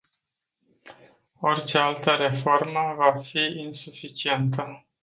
Orice altă reformă va fi insuficientă.